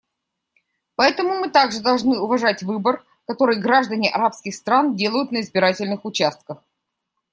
Поэтому мы также должны уважать выбор, который граждане арабских стран делают на избирательных участках.